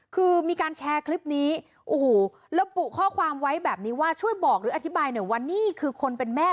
คือมีการแชร์คลิปนี้โอ้โหระบุข้อความไว้แบบนี้ว่าช่วยบอกหรืออธิบายหน่อยว่านี่คือคนเป็นแม่